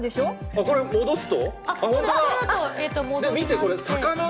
これ戻すと？